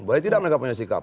boleh tidak mereka punya sikap